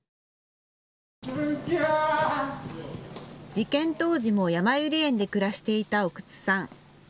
事件当時もやまゆり園で暮らしていた奥津さん。